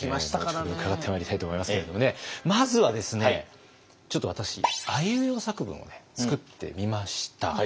後ほど伺ってまいりたいと思いますけれどもねまずはですねちょっと私あいうえお作文を作ってみました。